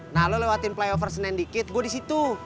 nah lo lewatin play over senendikit gue di situ